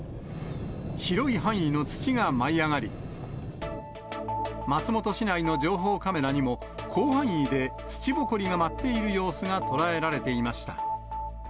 広い範囲の土が舞い上がり、松本市内の情報カメラにも、広範囲で土ぼこりが舞っている様子が捉えられていました。